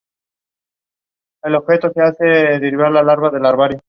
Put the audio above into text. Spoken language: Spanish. Conflictos que amenazaban con desestabilizar toda la región.